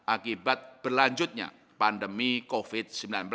akibat berlanjutnya pandemi covid sembilan belas